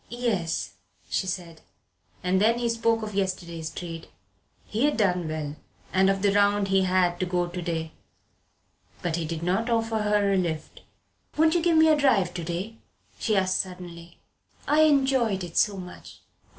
"Yes," she said. And then he spoke of yesterday's trade he had done well; and of the round he had to go to day. But he did not offer her a lift. "Won't you give me a drive to day?" she asked suddenly. "I enjoyed it so much."